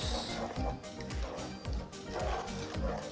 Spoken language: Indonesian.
kita aduk aduk terus